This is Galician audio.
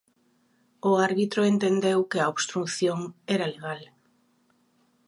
O árbitro entendeu que a obstrución era legal.